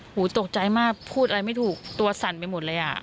ตกใจมากพูดอะไรไม่ถูกตัวสั่นไปหมดเลยอ่ะ